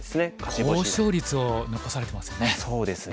高勝率を残されてますよね。